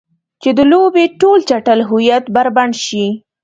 چې د لوبې ټول چټل هویت بربنډ شي.